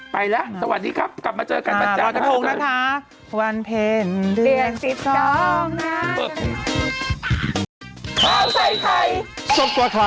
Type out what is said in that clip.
ไปแล้วสวัสดีครับกลับมาเจอกันบันจักร